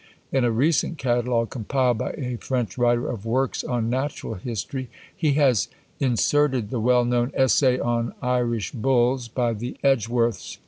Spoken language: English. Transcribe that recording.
In a recent catalogue compiled by a French writer of Works on Natural History, he has inserted the well known "Essay on Irish Bulls" by the Edgeworths.